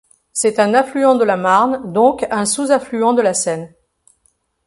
C'est un affluent de la Marne donc un sous-affluent de la Seine.